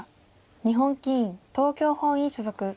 日本棋院東京本院所属。